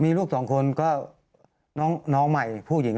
มีลูกสองคนก็น้องใหม่ผู้หญิง